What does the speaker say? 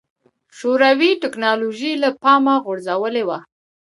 شوروي ټکنالوژي له پامه غورځولې وه.